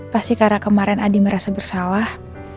pasti karena kemarin adi merasa bersalah